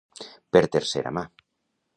Per tercera mà.